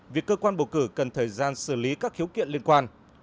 vì cơ quan bầu cử cần thời gian xử lý các khiếu kiện liên quan